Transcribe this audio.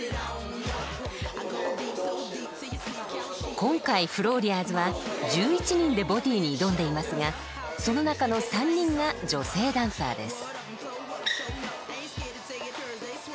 今回フローリアーズは１１人でＢＯＴＹに挑んでいますがその中の３人が女性ダンサーです。